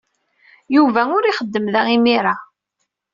Yuba ur ixeddem da imir-a.